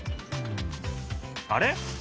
あれ？